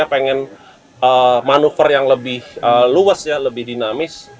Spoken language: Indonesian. pengen manuver yang lebih luwes lebih dinamis